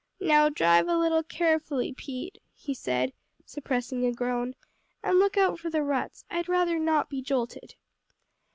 "Now drive a little carefully, Pete," he said, suppressing a groan, "and look out for the ruts, I'd rather not be jolted.